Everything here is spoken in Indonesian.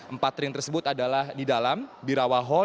empat ring tersebut adalah di dalam birawa hall